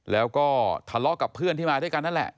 แล้วก็ทะเลาะกับเพื่อนที่มาด้วยกันนั่นแหละ